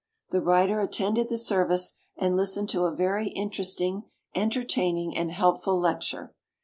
The writer attended the service and listened to a very interesting, entertaining, and helpful lecture.